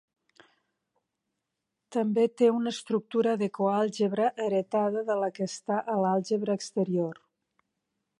També té una estructura de coàlgebra heretada de la que està a l'àlgebra exterior.